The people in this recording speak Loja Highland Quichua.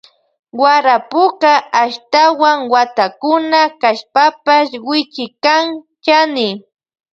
Warapuka ashtawan watakuna kashpapash wichikan chani.